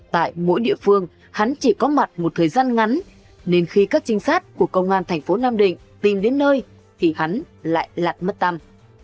tại mỗi địa phương hắn chỉ có mặt một thời gian ngắn nên khi các trinh sát của công an thành phố nam định tìm đến nơi thì hắn lại lặn mất tâm